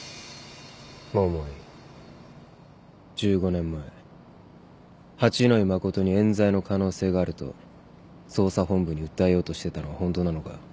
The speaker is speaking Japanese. １５年前八野衣真に冤罪の可能性があると捜査本部に訴えようとしてたのは本当なのか？